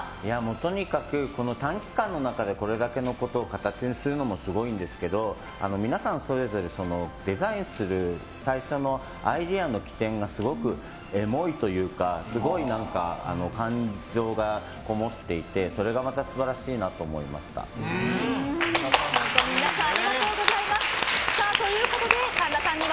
とにかく短期間の中でこれだけのことを形にするのもすごいんですけど皆さん、それぞれデザインする最初のアイデアの基点がすごくエモいというかすごい感情がこもっていてそれがまた素晴らしいなと所長「特茶」ってちょっと高いですよね